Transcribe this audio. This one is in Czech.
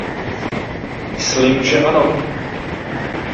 Myslím, že ano.